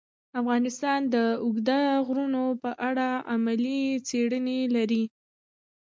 افغانستان د اوږده غرونه په اړه علمي څېړنې لري.